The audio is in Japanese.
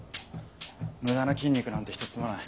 無駄な筋肉なんて一つもない。